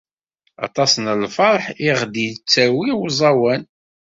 Aṭas n lferḥ i ɣ-d-yettawi uẓawan.